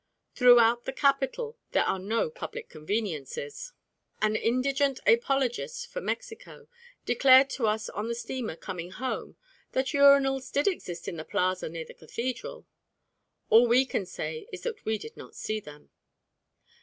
Throughout the capital there are no public conveniences. An indignant apologist for Mexico declared to us on the steamer coming home that urinals did exist in the plaza near the cathedral. All we can say is that we did not see them.